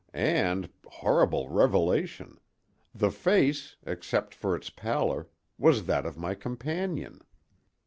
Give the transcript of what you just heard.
And—horrible revelation!—the face, except for its pallor, was that of my companion!